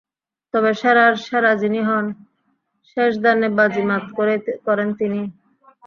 তবে সেরার সেরা যিনি হন, শেষ দানে বাজি মাত করেন তিনিই।